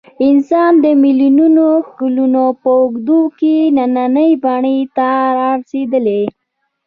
انسان د میلیونونو کلونو په اوږدو کې نننۍ بڼې ته رارسېدلی.